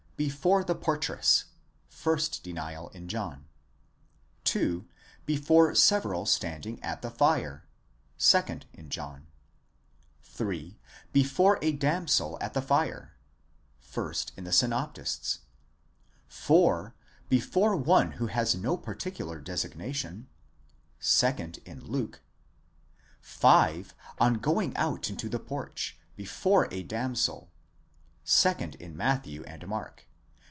Before the portress (1st denial in John) ; Before several standing at the fire (2nd in John) ; Before a damsel at the fire (1st in the synoptists) ; Before one who has no particular designation (2nd in Luke) ; On going out into the porch, before a damsel (2nd in Matthew and Mark.